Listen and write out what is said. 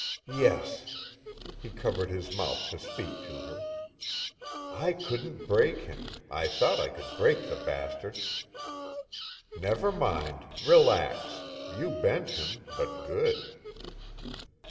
"Yes." He covered his mouth to speak to her. "I couldn't break him. I thought I could break the bastard." "Never mind. Relax. You bent him, but good."